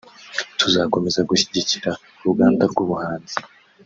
tuzakomeza gushyigikira uruganda rw’ubuhanzi